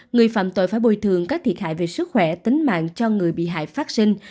người phạm tội phải bồi thường các thiệt hại về sức khỏe tính mạng cho người bị hại phát sinh